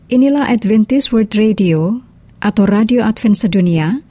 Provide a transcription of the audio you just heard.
inilah adventist world radio atau radio advent sedunia